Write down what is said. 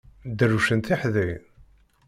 Drewcent teḥdayin.